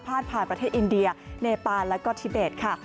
ผ่านประเทศอินเดียเนปานแล้วก็ทิเบสค่ะ